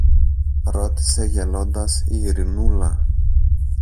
ρώτησε γελώντας η Ειρηνούλα.